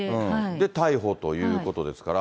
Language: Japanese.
で、逮捕ということですから。